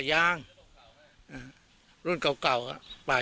ฐานพระพุทธรูปทองคำ